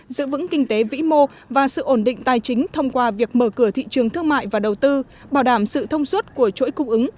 giữ vững kinh tế vĩ mô và sự ổn định tài chính thông qua việc mở cửa thị trường thương mại và đầu tư bảo đảm sự thông suốt của chuỗi cung ứng